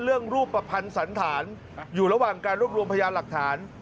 รูปประพันธ์สันฐานอยู่ระหว่างการรวบรวมพยานหลักฐาน